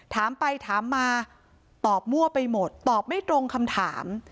ถามไปถามมาตอบมั่วไปหมดตอบไม่ตรงคำถาม